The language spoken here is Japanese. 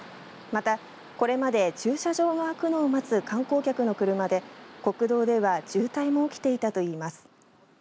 また、これまで駐車場が空くのを待つ観光客の車で国道では渋滞も起きていたといいます。